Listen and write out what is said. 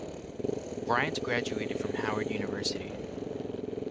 Bryant graduated fron Howard University.